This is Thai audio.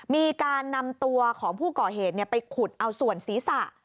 มีการนำตัวของผู้ก่อเหตุไปขุดเอาส่วนศีรษะ